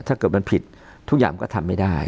ถ้าเกิดมันผิดทุกอย่างก็ทำไม่ได้